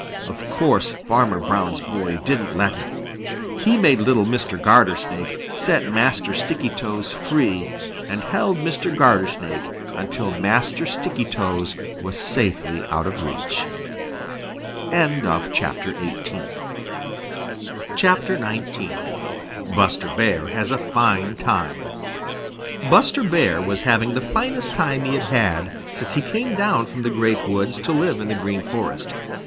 Of course Farmer Brown's Boy didn't let him. He made little Mr. Gartersnake set Master Stickytoes free and held Mr. Gartersnake until Master Stickytoes was safely out of reach. XIX BUSTER BEAR HAS A FINE TIME Buster Bear was having the finest time he had had since he came down from the Great Woods to live in the Green Forest.